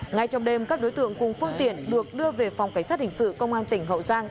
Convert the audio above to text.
ngay trong đêm các đối tượng cùng phương tiện được đưa về phòng cảnh sát hình sự công an tỉnh hậu giang